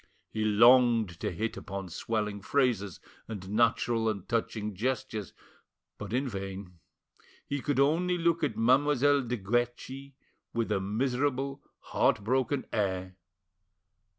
He longed to hit upon swelling phrases and natural and touching gestures, but in vain. He could only look at Mademoiselle de Guerchi with a miserable, heart broken air.